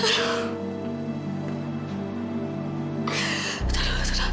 tenang tenang tenang